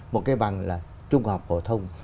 một cái bằng là trung học phổ thông